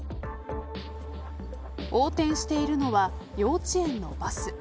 横転しているのは幼稚園のバス。